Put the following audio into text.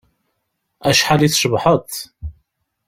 Acḥal i tcebḥeḍ.